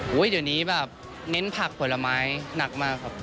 เดี๋ยวนี้แบบเน้นผักผลไม้หนักมากครับ